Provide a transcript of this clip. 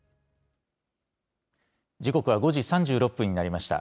時刻は５時３６分になりました。